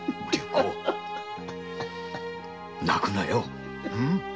泣くなよ。